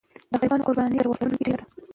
د غریبانو قرباني تر واک لرونکو ډېره ده.